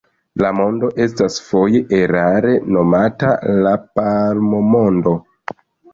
La Mondo estas foje erare nomata La Palmo-Mondo.